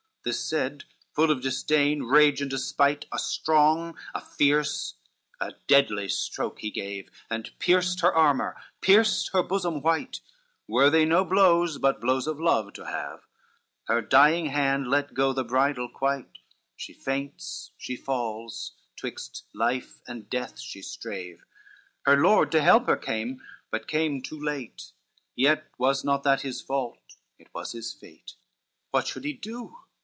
XCVI This said, full of disdain, rage and despite, A strong, a fierce, a deadly stroke he gave, And pierced her armor, pierced her bosom white, Worthy no blows, but blows of love to have: Her dying hand let go the bridle quite, She faints, she falls, 'twixt life and death she strave, Her lord to help her came, but came too late, Yet was not that his fault, it was his fate. XCVII What should he do?